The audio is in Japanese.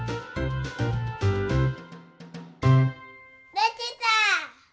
できた！